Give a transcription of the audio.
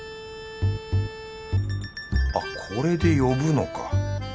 あこれで呼ぶのか。